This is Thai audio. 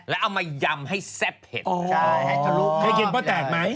และเอามายัมให้แซ่บเผ็ด